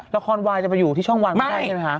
ละครวายจะไปอยู่ที่ช่องวันไม่ได้ใช่ไหมคะ